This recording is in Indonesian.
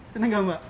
senang gak mbak